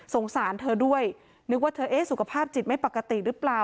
สารเธอด้วยนึกว่าเธอสุขภาพจิตไม่ปกติหรือเปล่า